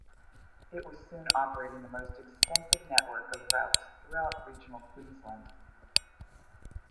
It was soon operating the most extensive network of routes throughout regional Queensland.